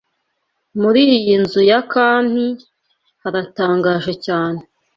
muri iyi nzu ya Kanti haratangaje cyane